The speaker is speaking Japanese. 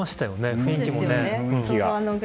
雰囲気も。